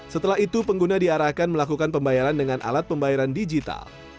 setelah itu pengguna diarahkan melakukan pembayaran dengan alat pembayaran digital